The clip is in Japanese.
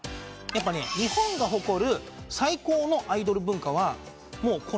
やっぱ日本が誇る最高のアイドル文化はＴＩＦ。